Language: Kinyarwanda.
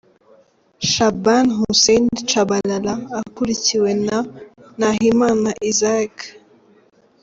Shaban Hussein Tchabalala akurikiwe na Nahimana Isiaq.